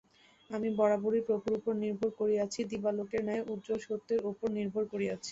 আমি বরাবরই প্রভুর উপর নির্ভর করিয়াছি, দিবালোকের ন্যায় উজ্জ্বল সত্যের উপর নির্ভর করিয়াছি।